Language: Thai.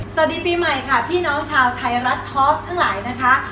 สวัสดีปีใหม่ค่ะพี่น้องชาวไทยรัฐทอล์กทั้งหลายนะคะ